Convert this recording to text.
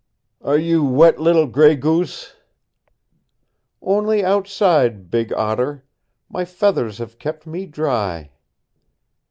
"Are you wet, little Gray Goose?" "Only outside, Big Otter. My feathers have kept me dry."